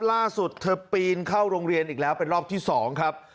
ล่าสุดเธอปีนเข้าโรงเรียนอีกแล้วเป็นรอบที่๒ครับ